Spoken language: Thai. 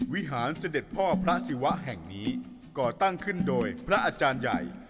วิหารเสด็จพ่อพระศิวะแห่งนี้ก่อตั้งขึ้นโดยพระอาจารย์ใหญ่